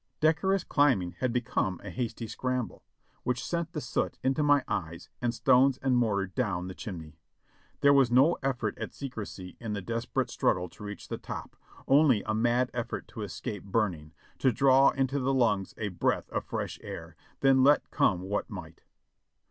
Decorous climbing had become a hasty scramble, which sent the soot into my eyes and stones and mortar down the chimney. There was no effort at secrecy in the desperate struggle to reach the top, only a mad effort to escape burning — to draw into the lungs a breath of fresh air; then let come what might.